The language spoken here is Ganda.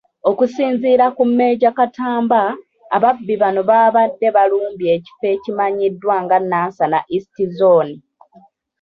Okusinziira ku Major Katamba, ababbi bano baabadde balumbye ekifo ekimanyiddwa nga Nansana East zzooni.